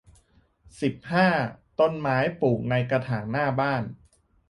สิบห้า ต้นไม้ปลูกในกระถางหน้าบ้าน